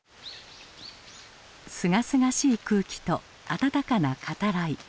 すがすがしい空気と温かな語らい。